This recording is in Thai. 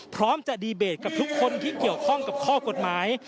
พร้อมจะดีเบตกับทุกคนที่เกี่ยวข้องกับข้อกฎหมาย